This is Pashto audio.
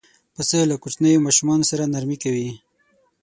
پسه له کوچنیو ماشومانو سره نرمي کوي.